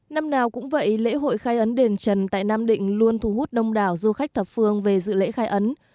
năm nào cũng vậy lễ hội khai ấn đền trần tại nam định luôn thu hút đông đảo du khách thập phương về dự lễ khai ấn